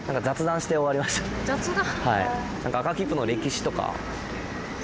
雑談？